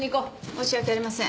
申し訳ありません。